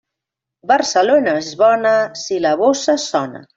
Barcelona és bona si la bossa sona.